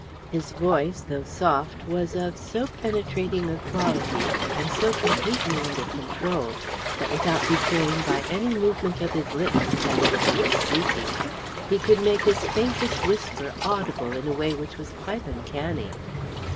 His voice, though soft, was of so penetrating a quality and so completely under control that, without betraying by any movement of his lips the fact that he was speaking, he could make his faintest whisper audible in a way which was quite uncanny.